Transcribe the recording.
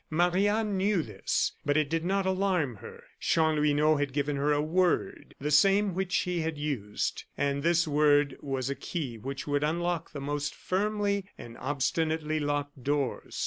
Marie Anne knew this, but it did not alarm her. Chanlouineau had given her a word, the same which he had used; and this word was a key which would unlock the most firmly and obstinately locked doors.